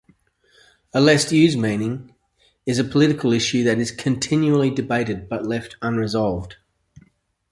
A less-used meaning, is a political issue that is continually debated but left unresolved.